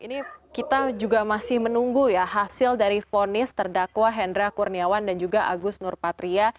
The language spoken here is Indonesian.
ini kita juga masih menunggu ya hasil dari fonis terdakwa hendra kurniawan dan juga agus nurpatria